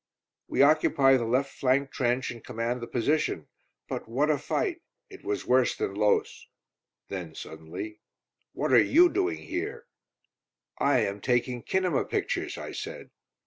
"We occupy the left flank trench, and command the position. But, what a fight; it was worse than Loos." Then suddenly, "What are you doing here?" "I am taking kinema pictures!" I said.